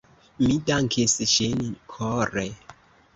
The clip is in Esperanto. Mi dankis ŝin kore.